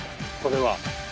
これは。